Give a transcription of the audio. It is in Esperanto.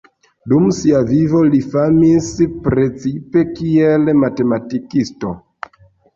Dum sia vivo li famis precipe kiel matematikisto.